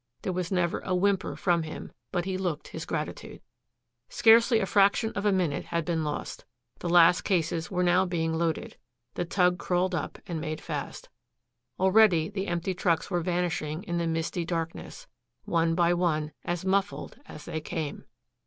There was never a whimper from him, but he looked his gratitude. Scarcely a fraction of a minute had been lost. The last cases were now being loaded. The tug crawled up and made fast. Already the empty trucks were vanishing in the misty darkness, one by one, as muffled as they came.